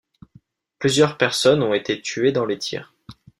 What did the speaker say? Plusieurs personnes ont été tuées dans les tirs.